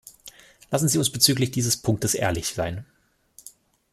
Lassen Sie uns bezüglich dieses Punktes ehrlich sein.